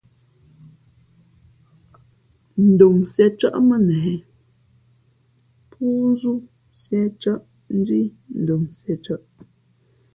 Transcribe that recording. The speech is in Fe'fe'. Ndom sīēcάʼ mά nehē póózú sīēcάʼ Ndhí ndom sīēcᾱʼ.